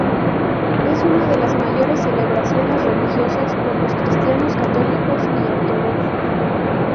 Es una de las mayores celebraciones religiosas para los cristianos católicos y ortodoxos.